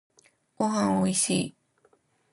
ごはんおいしい。